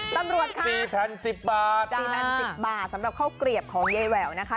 ตำรวจค่ะ๔แพนสิบบาทสำหรับเข้าเกรียบของเยวว์นะคะ